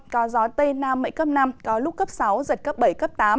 có gió tây nam mạnh cấp năm có lúc cấp sáu giật cấp bảy cấp tám